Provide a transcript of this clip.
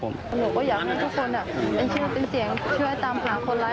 หนูก็อยากให้ทุกคนเป็นชื่อเป็นเสียงช่วยตามหาคนร้าย